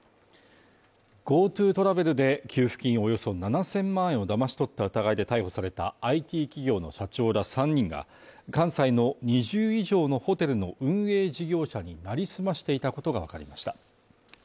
ＧｏＴｏトラベルで給付金およそ７０００万円をだまし取った疑いで逮捕されたＩＴ企業の社長ら３人が関西の２０以上のホテルの運営事業者になりすましていたことがわかりました。